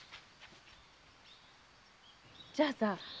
じゃあさ